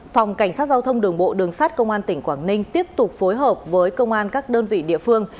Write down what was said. phòng cảnh sát giao thông đường bộ đường sát công an tỉnh quảng ninh tiếp tục phối hợp với công an các đơn vị địa phương